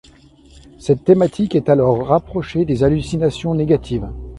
Cette thématique est alors rapprochée des hallucinations négatives.